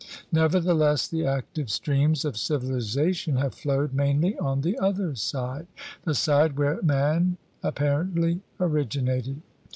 Nevertheless the active streams of civiliza Vion have flowed mainly on the other side — the side where man apparently originated.